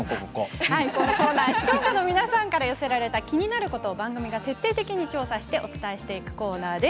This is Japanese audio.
このコーナー視聴者の皆さんから寄せられた気になることを番組が徹底的に調査してお伝えしていくコーナーです。